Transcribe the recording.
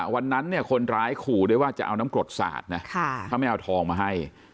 วันนั้นเนี่ยคนร้ายขู่ด้วยว่าจะเอาน้ำกรดสาดนะถ้าไม่เอาทองมาให้